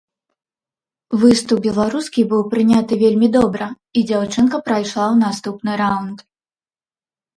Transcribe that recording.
Выступ беларускі быў прыняты вельмі добра, і дзяўчынка прайшла ў наступны раўнд.